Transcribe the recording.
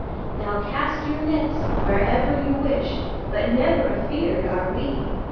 "Now cast your nets wherever you wish,— Never afeard are we!"